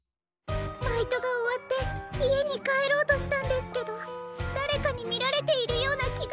バイトがおわっていえにかえろうとしたんですけどだれかにみられているようなきがするんですの！